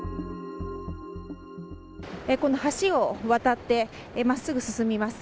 この橋を渡って真っすぐ進みます。